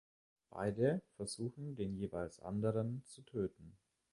Beide versuchen den jeweils anderen zu töten.